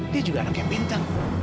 dia juga anak yang pintar